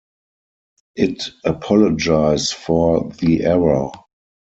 It apologised for the error.